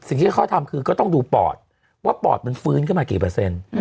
สิ่งที่เขาทำคือก็ต้องดูปอดว่าปอดมันฟื้นขึ้นมากี่เปอร์เซ็นต์